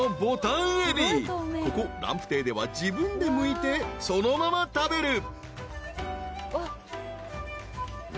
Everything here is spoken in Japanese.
［ここランプ亭では自分でむいてそのまま食べる］